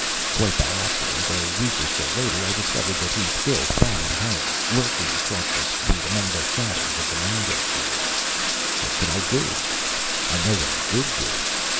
Quite by accident, a week or so later, I discovered that he still saw me home, lurking across the street among the shadows of the mango trees. What could I do? I know what I did do.